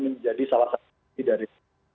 menjadi salah satu